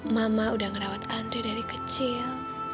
mama udah ngerawat andri dari kecil